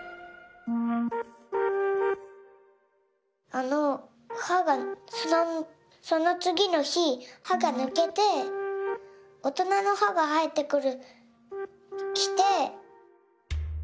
あのはがそのつぎのひはがぬけておとなのはがはえてきて。